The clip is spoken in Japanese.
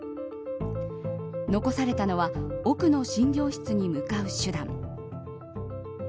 残されたのは奥の診療室に向かう手段。